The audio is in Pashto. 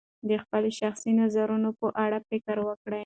د خپلو شخصي نظرونو په اړه فکر وکړئ.